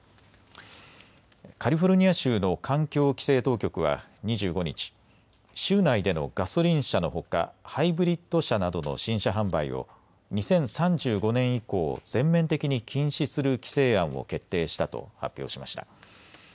カリフォルニア州の環境規制当局は２５日、州内でのガソリン車のほか、ハイブリッド車などの新車販売を２０３５年以降、全面的に禁止する規制案を決定したと発表しました。